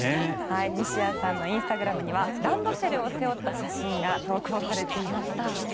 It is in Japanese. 西矢さんのインスタグラムにはランドセルを背負った写真が投稿されていました。